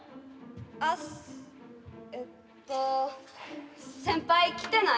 アッえっと先輩来てない？